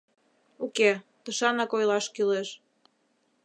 — Уке, тышанак ойлаш кӱлеш...